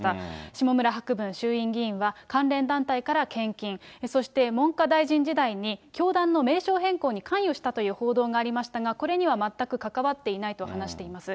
下村博文衆院議員は関連団体から献金、そして文科大臣時代に、教団の名称変更に関与したという報道がありましたが、これには全く関わっていないと話しています。